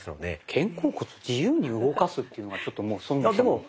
肩甲骨自由に動かすっていうのがちょっともうそもそも。